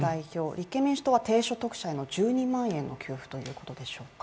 立憲民主党は低所得者への１２万円の給付ということでしょうか？